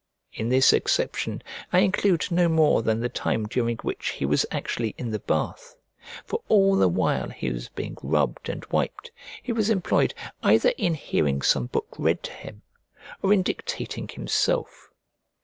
In this exception I include no more than the time during which he was actually in the bath; for all the while he was being rubbed and wiped, he was employed either in hearing some book read to him or in dictating himself.